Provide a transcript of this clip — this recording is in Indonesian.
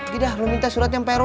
gida lu minta suratnya pak rw